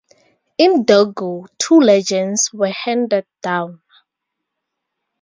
In Dogo, two legends were handed down.